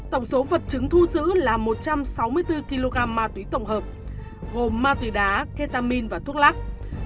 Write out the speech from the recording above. tổng số vật chứng thu giữ là một trăm sáu mươi bốn kg ma túy tổng hợp gồm ma túy đá ketamin và thuốc lắc